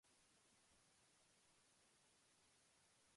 Es hijo del ex futbolista Marvin Obando Obando.